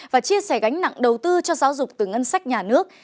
và chia sẻ gánh nặng đầu tư cho giáo dục từ ngân sách nhà nước